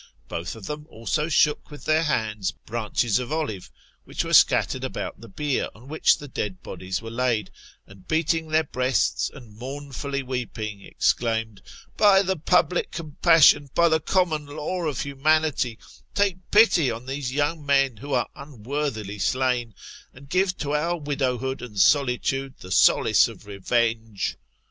Botlv of them also shook with their hands branches of olive, which were scattered about the bier on which the dead bodies were laid, and beating their breasts and mournfully weeping, evclaimed, "By the public compassion, by the common law of humanity, take pity on these young men who are unworthily slain, and give to our widowhood and solitude the solace of revenge.